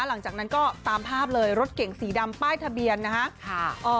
หลังจากนั้นก็ตามภาพเลยรถเก่งสีดำป้ายทะเบียนนะฮะ